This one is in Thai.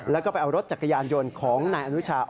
แล้วก็ไปเอารถจักรยานยนต์ของนายอนุชา